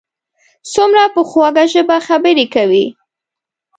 څومره په خوږه ژبه خبرې کوي.